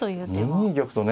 ２二玉とね。